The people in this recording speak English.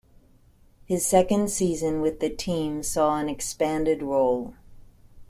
His second season with the team saw an expanded role.